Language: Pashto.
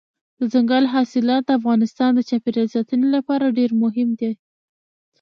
دځنګل حاصلات د افغانستان د چاپیریال ساتنې لپاره ډېر مهم دي.